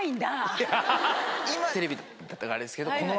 ・今テレビだったからあれですけど。